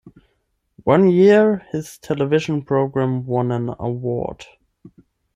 One year his television program won an award.